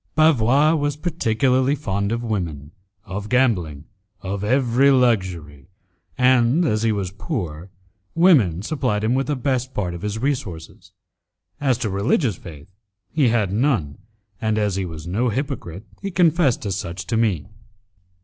Bavois was particularly fond of women, of gambling, of every luxury, and, as he was poor, women supplied him with the best part of his resources. As to religious faith he had none, and as he was no hypocrite he confessed as much to me.